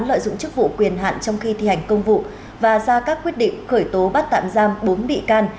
lợi dụng chức vụ quyền hạn trong khi thi hành công vụ và ra các quyết định khởi tố bắt tạm giam bốn bị can